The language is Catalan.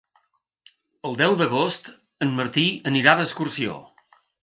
El deu d'agost en Martí anirà d'excursió.